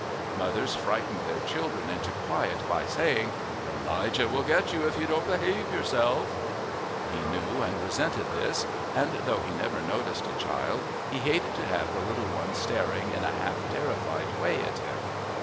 Mothers frightened their children into quiet by saying, "Elijah will get you if you don't behave yourself." He knew and resented this, and though he never noticed a child, he hated to have the little ones staring in a half terrified way at him.